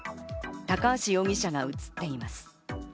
高橋容疑者が写っています。